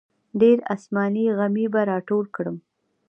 ډېر اسماني غمي به راټول کړم.